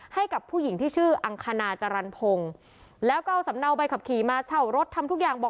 ให้กับผู้หญิงที่ชื่ออังคณาจรรพงศ์แล้วก็เอาสำเนาใบขับขี่มาเช่ารถทำทุกอย่างบอก